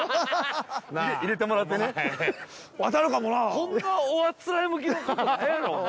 こんなおあつらえ向きの事ないやろ。